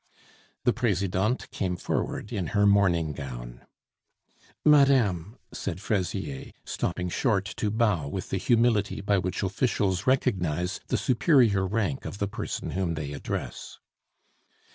The Presidente came forward in her morning gown. "Madame " said Fraisier, stopping short to bow with the humility by which officials recognize the superior rank of the person whom they address.